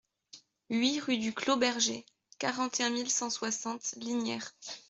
huit rue du Clos Berger, quarante et un mille cent soixante Lignières